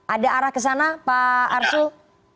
ada arah ke sana pak arsul